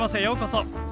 ようこそ。